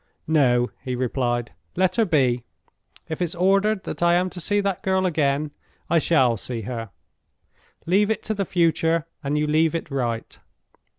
"No!" he replied. "Let her be. If it's ordered that I am to see that girl again, I shall see her. Leave it to the future, and you leave it right."